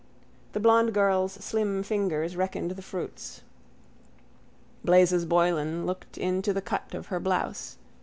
The blond girl's slim fingers reckoned the fruits. Blazes Boylan looked into the cut of her blouse.